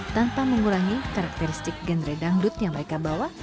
tanpa mengurangi karakteristik genre dangdut yang mereka bawa